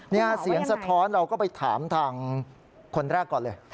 นี่เสียงสะท้อนเราก็ไปถามทางคนแรกก่อนเลย